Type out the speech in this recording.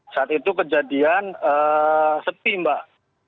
saat itu kejadian sepi mbak